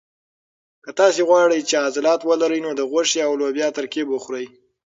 که تاسي غواړئ چې عضلات ولرئ نو د غوښې او لوبیا ترکیب وخورئ.